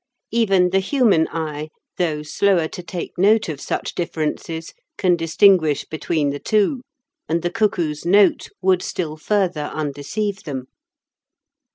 Even the human eye, though slower to take note of such differences, can distinguish between the two, and the cuckoo's note would still further undeceive them.